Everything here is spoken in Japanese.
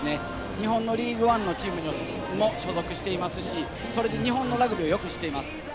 日本のリーグワンにも所属していますし、日本のラグビーをよく知っています。